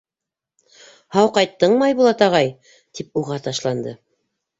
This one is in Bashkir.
— Һау ҡайттыңмы, Айбулат ағай? — тип, уға ташланды.